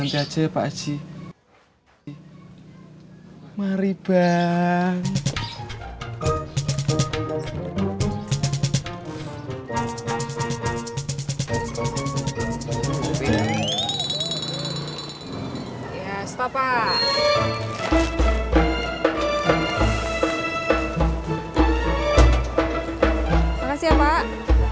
makasih ya pak